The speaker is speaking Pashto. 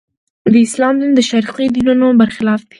د اسلام دین د شرقي دینونو برخلاف دی.